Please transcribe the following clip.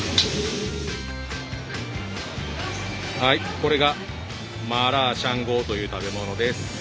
はいこれがマーラーシャングォという食べ物です。